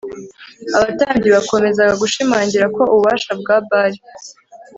Abatambyi bakomezaga gushimangira ko ububasha bwa Bali